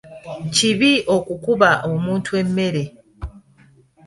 Kibi okukukuba omuntu emmere.